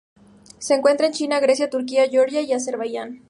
Se encuentra en China, Grecia, Turquía, Georgia y Azerbaiyán.